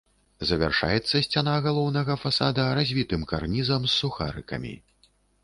Завяршаецца сцяна галоўнага фасада развітым карнізам з сухарыкамі.